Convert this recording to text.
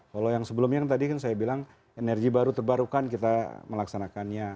kalau yang sebelumnya kan tadi kan saya bilang energi baru terbarukan kita melaksanakannya